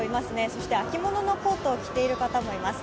そして秋物のコートを着ている方もいます。